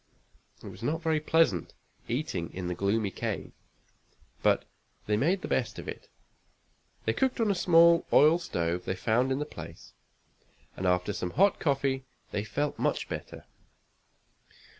It was not very pleasant, eating in the gloomy cavern, but they made the best of it. They cooked on a small oil stove they found in the place, and after some hot coffee they felt much better.